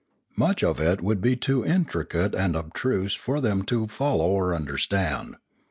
Much of it would be too intricate and abstruse for them to follow or understand.